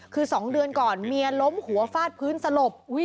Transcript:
คือ๒เดือนก่อนเมียล้มหัวฟาดพื้นสลบ